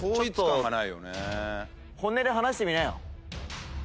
本音で話してみなよ。